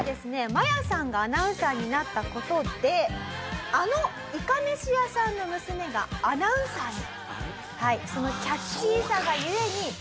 マヤさんがアナウンサーになった事で「あのいかめし屋さんの娘がアナウンサーに！？」。